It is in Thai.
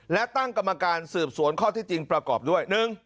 และตั้งกรรมการสืบสวนข้อที่จริงประกอบด้วย